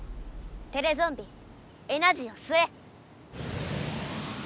テレゾンビエナジーをすえ！